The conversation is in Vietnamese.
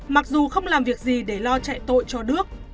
mặc dù không làm việc gì để lo chạy tội cho đước